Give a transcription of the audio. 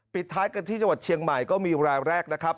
ท้ายกันที่จังหวัดเชียงใหม่ก็มีรายแรกนะครับ